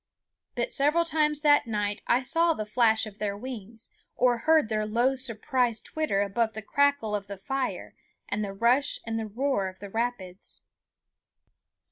But several times that night I saw the flash of their wings, or heard their low surprised twitter above the crackle of the fire and the rush and roar of the rapids.